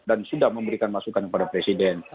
dan sudah memberikan masukan kepada presiden